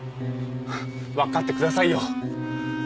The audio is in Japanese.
分かってくださいよ。